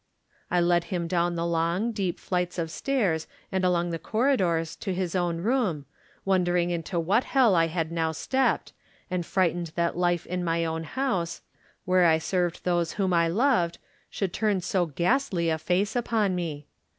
I led him down the long, deep flights of stairs and along the corridors to his own room, wondering into what hell I had now stepped, and frightened that life in my own house, where I served those whom I loved, 1i» Digitized by Google THE NINTH MAN should turn so ghastly a face upon me.